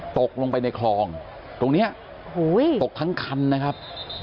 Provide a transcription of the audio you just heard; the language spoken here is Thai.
ตกลงไปในคลองตรงนี้ตกทั้งคันนะครับ